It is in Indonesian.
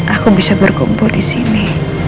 aku bisa berkumpul di sini